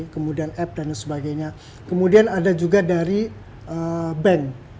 kemudian app dan sebagainya kemudian ada juga dari bank